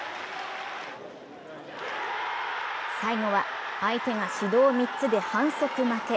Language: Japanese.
最後は相手が指導３つで反則負け。